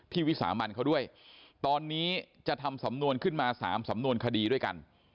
วิสามันเขาด้วยตอนนี้จะทำสำนวนขึ้นมา๓สำนวนคดีด้วยกัน